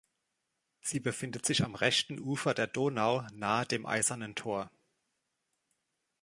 Sie befindet sich am rechten Ufer der Donau, nahe dem Eisernen Tor.